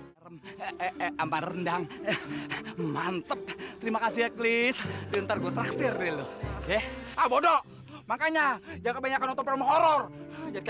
sampai jumpa di video selanjutnya